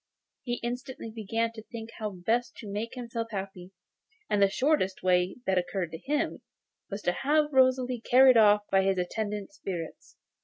He instantly began to think how best to make himself happy, and the shortest way that occurred to him was to have Rosalie carried off by his attendant spirits.